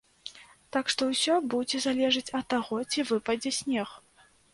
Так што ўсё будзе залежаць ад таго ці выпадзе снег.